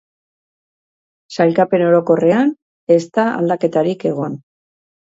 Sailkapen orokorrean ez da aldaketarik egon.